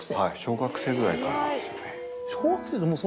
はい小学生ぐらいからですね。